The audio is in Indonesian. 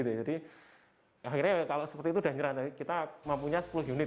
jadi akhirnya kalau seperti itu kita mampunya sepuluh unit